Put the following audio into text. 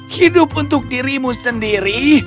hidup untuk dirimu sendiri